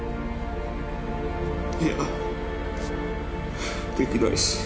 いやできないし。